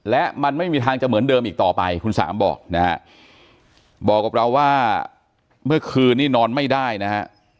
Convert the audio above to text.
และมันไม่มีทางจะเหมือนเดิมอีกต่อไปคุณสามบอกนะฮะบอกกับเราว่าเมื่อคืนนี้นอนไม่ได้นะฮะ